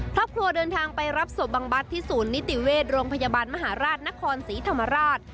ครอบครัวเดินทางไปรับศพบังบัตรที่ศูนย์นิติเวชโรงพยาบาลมหาราชนครศรีธรรมราช